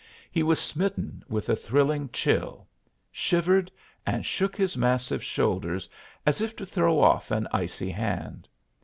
He was smitten with a thrilling chill shivered, and shook his massive shoulders as if to throw off an icy hand.